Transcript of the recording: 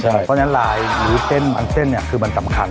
เพราะฉะนั้นลายหรือเส้นบางเส้นคือมันสำคัญ